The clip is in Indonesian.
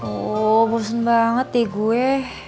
oh bosan banget deh gue